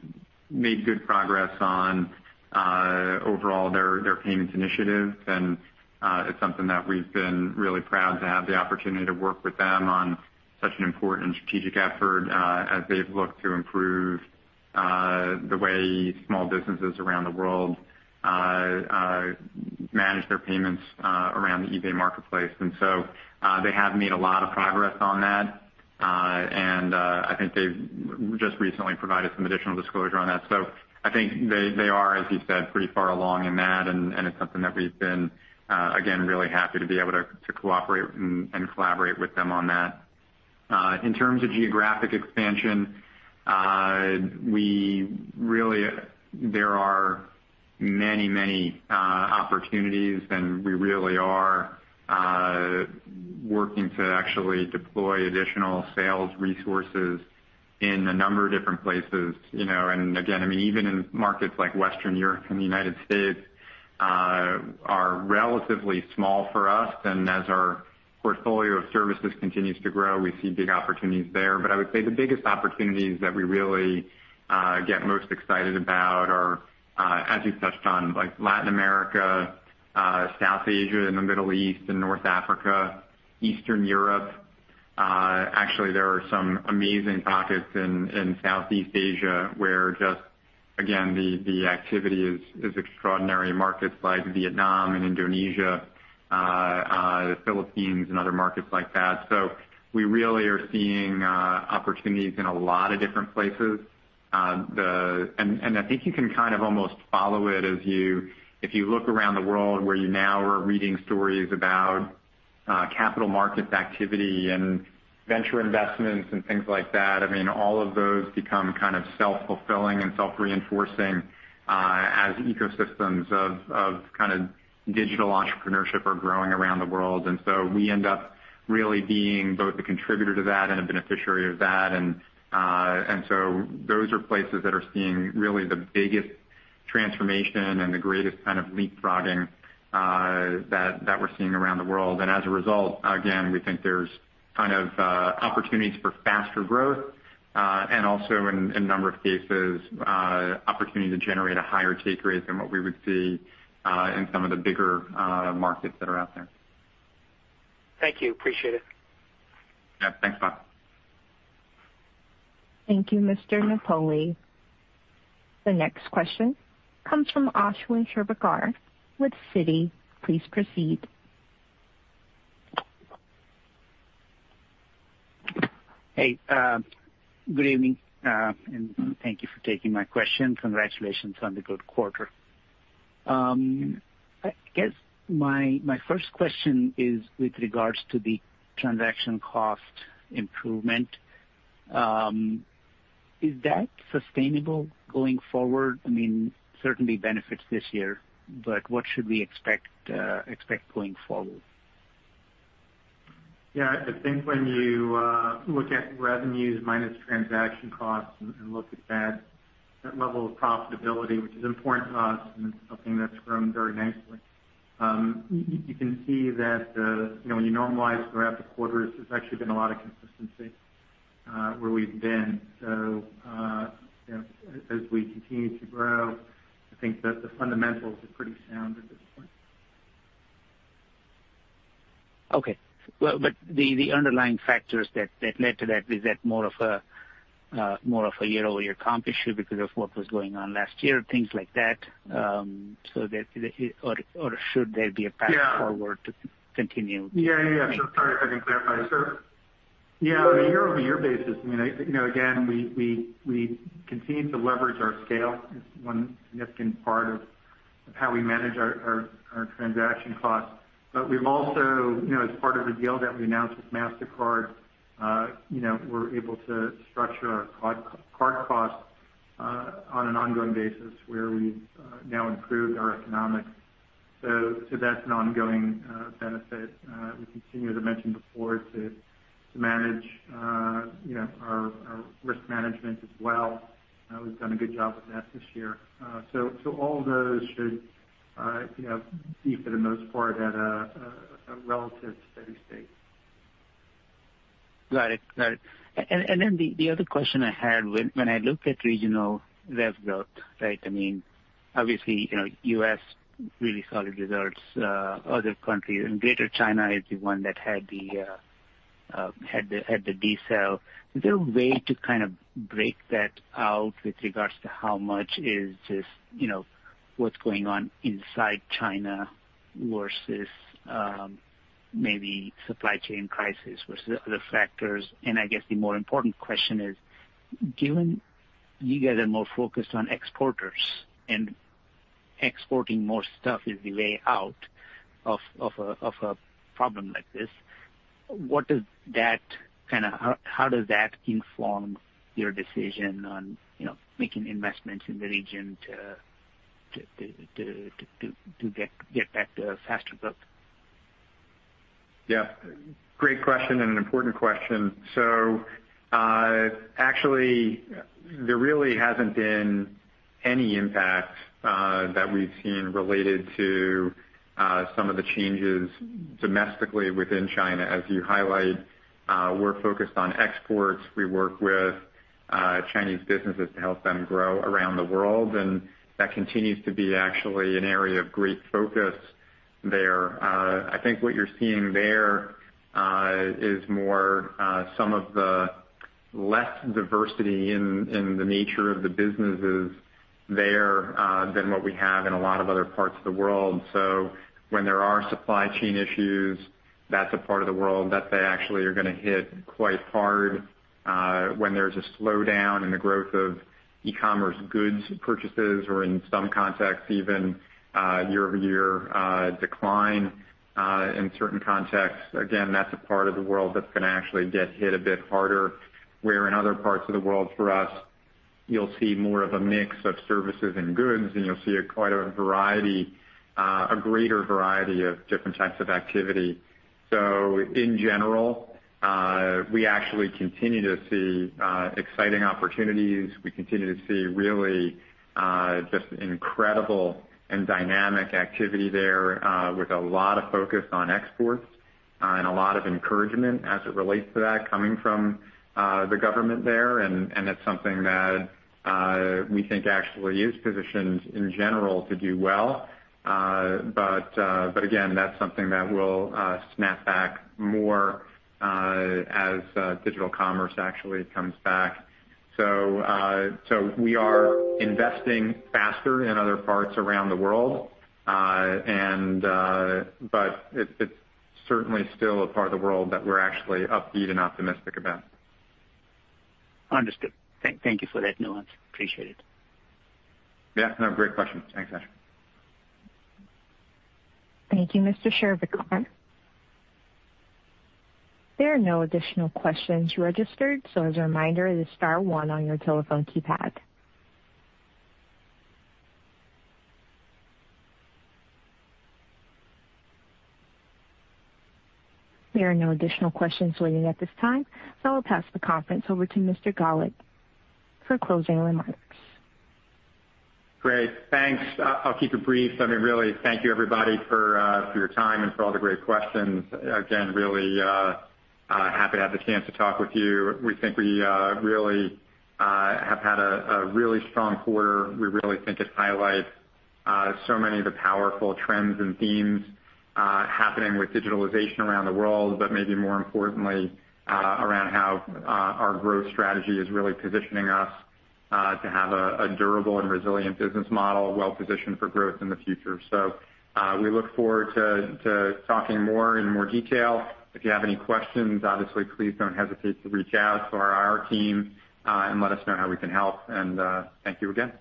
made good progress on overall their payments initiatives. It's something that we've been really proud to have the opportunity to work with them on such an important strategic effort as they've looked to improve the way small businesses around the world manage their payments around the eBay marketplace. They have made a lot of progress on that. I think they've just recently provided some additional disclosure on that. I think they are, as you said, pretty far along in that, and it's something that we've been, again, really happy to be able to cooperate and collaborate with them on that. In terms of geographic expansion, there are many opportunities and we really are working to actually deploy additional sales resources in a number of different places. You know, and again, I mean, even in markets like Western Europe and the United States are relatively small for us. As our portfolio of services continues to grow, we see big opportunities there. I would say the biggest opportunities that we really get most excited about are, as you touched on, like Latin America, South Asia and the Middle East and North Africa, Eastern Europe. Actually, there are some amazing pockets in Southeast Asia where just, again, the activity is extraordinary in markets like Vietnam and Indonesia, the Philippines and other markets like that. We really are seeing opportunities in a lot of different places. I think you can kind of almost follow it as you if you look around the world where you now are reading stories about capital markets activity and venture investments and things like that. I mean, all of those become kind of self-fulfilling and self-reinforcing as ecosystems of kind of digital entrepreneurship are growing around the world. We end up really being both a contributor to that and a beneficiary of that. Those are places that are seeing really the biggest transformation and the greatest kind of leapfrogging, that we're seeing around the world. As a result, again, we think there's kind of opportunities for faster growth, and also in a number of cases, opportunity to generate a higher take rate than what we would see, in some of the bigger markets that are out there. Thank you. Appreciate it. Yeah. Thanks, Bob. Thank you, Mr. Napoli. The next question comes from Ashwin Shirvaikar with Citi. Please proceed. Hey, good evening. Thank you for taking my question. Congratulations on the good quarter. I guess my first question is with regards to the transaction cost improvement. Is that sustainable going forward? I mean, certainly benefits this year, but what should we expect going forward? Yeah. I think when you look at revenues minus transaction costs and look at that level of profitability, which is important to us, and it's something that's grown very nicely, you can see that, you know, when you normalize throughout the quarters, there's actually been a lot of consistency where we've been. You know, as we continue to grow, I think the fundamentals are pretty sound at this point. Okay. Well, the underlying factors that led to that is that more of a year-over-year comp issue because of what was going on last year, things like that? Should there be a path forward to continue? Yeah. Yeah, sure. Sorry, if I didn't clarify. Sure. Yeah. On a year-over-year basis, I mean, you know, again, we continue to leverage our scale. It's one significant part of Of how we manage our transaction costs. We've also, you know, as part of the deal that we announced with Mastercard, you know, we're able to structure our card costs on an ongoing basis where we've now improved our economics. That's an ongoing benefit we continue to mention before to manage, you know, our risk management as well. We've done a good job with that this year. All those should, you know, be for the most part at a relative steady state. Got it. The other question I had when I looked at regional rev growth, right? I mean, obviously, you know, U.S. really solid results. Other countries and Greater China is the one that had the decel. Is there a way to kind of break that out with regards to how much is just, you know, what's going on inside China versus maybe supply chain crisis versus other factors? I guess the more important question is, given you guys are more focused on exporters and exporting more stuff is the way out of a problem like this, what does that kinda how does that inform your decision on, you know, making investments in the region to get back to faster growth? Yeah. Great question and an important question. Actually there really hasn't been any impact that we've seen related to some of the changes domestically within China. As you highlight, we're focused on exports. We work with Chinese businesses to help them grow around the world, and that continues to be actually an area of great focus there. I think what you're seeing there is more some of the less diversity in the nature of the businesses there than what we have in a lot of other parts of the world. When there are supply chain issues, that's a part of the world that they actually are gonna hit quite hard. When there's a slowdown in the growth of e-commerce goods purchases or in some contexts even year-over-year decline in certain contexts, again, that's a part of the world that's gonna actually get hit a bit harder. Where in other parts of the world for us, you'll see more of a mix of services and goods, and you'll see a greater variety of different types of activity. In general, we actually continue to see exciting opportunities. We continue to see really just incredible and dynamic activity there with a lot of focus on exports and a lot of encouragement as it relates to that coming from the government there. It's something that we think actually is positioned in general to do well. Again, that's something that will snap back more as digital commerce actually comes back. We are investing faster in other parts around the world. It's certainly still a part of the world that we're actually upbeat and optimistic about. Understood. Thank you for that nuance. Appreciate it. Yeah. No, great question. Thanks, Ash. Thank you, Mr. Shirvaikar. There are no additional questions registered, so as a reminder, it is star one on your telephone keypad. There are no additional questions waiting at this time, so I'll pass the conference over to Mr. Galit for closing remarks. Great. Thanks. I'll keep it brief. I mean, really thank you everybody for your time and for all the great questions. Again, really happy to have the chance to talk with you. We think we really have had a really strong quarter. We really think it highlights so many of the powerful trends and themes happening with digitalization around the world. Maybe more importantly, around how our growth strategy is really positioning us to have a durable and resilient business model well positioned for growth in the future. We look forward to talking more in more detail. If you have any questions, obviously, please don't hesitate to reach out to our IR team, and let us know how we can help. Thank you again.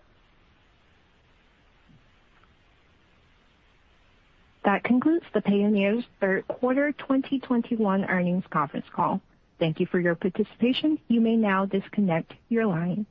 That concludes Payoneer's Q3 2021 earnings conference call. Thank you for your participation. You may now disconnect your line.